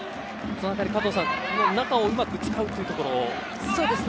その辺り、加藤さん中をうまく使うというところ。